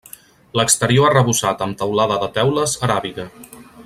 L'exterior arrebossat amb teulada de teules aràbiga.